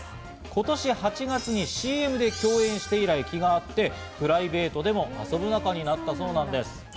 今年８月にＣＭで共演して以来、気が合って、プライベートでも遊ぶ仲になったそうなんです。